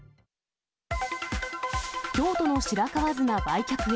京都の白川砂売却へ。